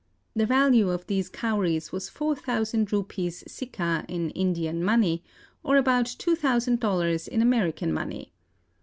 The value of these Cowries was four thousand rupees sicca in Indian money, or about two thousand dollars in American money.